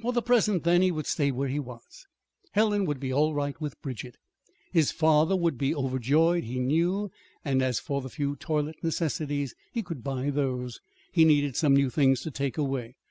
For the present, then, he would stay where he was. Helen would be all right with Bridget. His father would be overjoyed, he knew; and as for the few toilet necessities he could buy those. He needed some new things to take away.